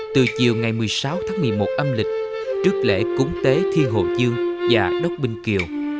từ chiều ngày một mươi sáu tháng một mươi một âm lịch trước lễ cúng tế thi hồ dương và đốc binh kiều